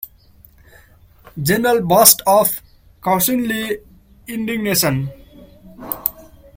General burst of cousinly indignation.